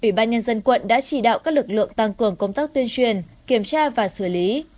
ủy ban nhân dân quận đã chỉ đạo các lực lượng tăng cường công tác tuyên truyền kiểm tra và xử lý